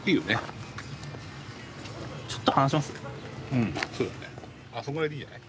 うんそうだねあそんぐらいでいいんじゃない。